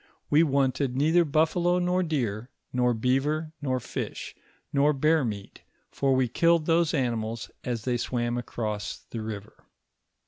"We wanted neither buffalo nor deer, nor beaver, nor fish, nor bear moat, fur we killed those animals as they swam across the river.